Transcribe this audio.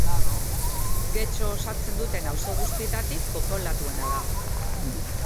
Getxo osatzen duten auzo guztietatik populatuena da.